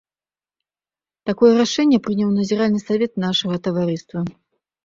Такое рашэнне прыняў назіральны савет нашага таварыства.